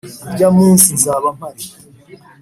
Urya munsi nzaba mari